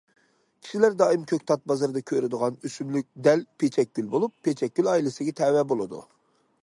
كىشىلەر دائىم كۆكتات بازىرىدا كۆرىدىغان ئۆسۈملۈك دەل پىچەكگۈل بولۇپ، پىچەكگۈل ئائىلىسىگە تەۋە بولىدۇ.